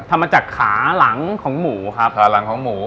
ทำมาจากขาหลังของหมูครับขาหลังของหมู